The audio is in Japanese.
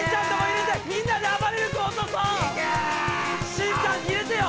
しんちゃんに入れてよ！